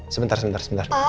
sebentar sebentar sebentar